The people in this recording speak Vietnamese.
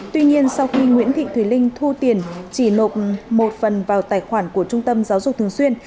tuy nhiên sau khi nguyễn thị thùy linh thu tiền chỉ nộp một phần vào tài khoản của trung tâm giáo dục thường xuyên